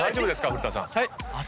古田さん。